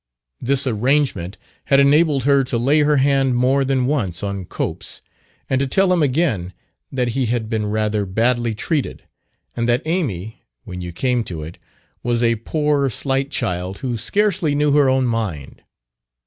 This arrangement had enabled her to lay her hand more than once on Cope's, and to tell him again that he had been rather badly treated, and that Amy, when you came to it, was a poor slight child who scarcely knew her own mind.